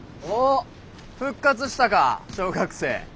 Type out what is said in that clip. おっ復活したか小学生。